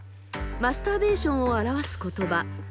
マスターベーションを表す言葉。